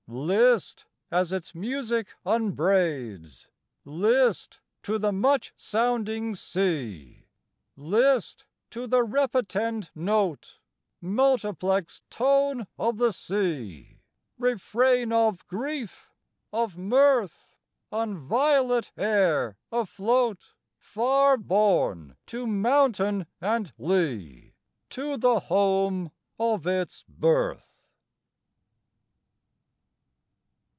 List as its music unbraids, List to the much sounding sea, List to the repetend note, Multiplex tone of the sea, Refrain of grief, of mirth, On violet air afloat Far borne to mountain and lea, To the home of its birth.